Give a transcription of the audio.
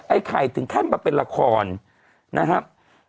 ไอ้ไข่ถึงแค่มาเป็นละครนะครับ